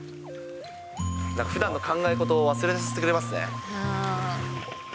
ふだんの考え事を忘れさせてくれますね。